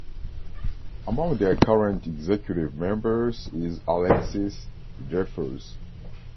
Among their current executive members is Alexis Jeffers.